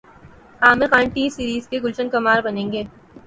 عامر خان ٹی سیریز کے گلشن کمار بنیں گے